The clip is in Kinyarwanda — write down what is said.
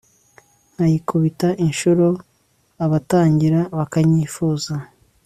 nkayikubita inshuro abatangira bakanyifuza